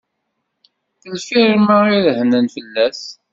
D lfirma i rehnen fell-as.